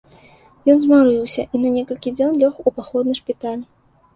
Ён змарыўся і на некалькі дзён лёг у паходны шпіталь.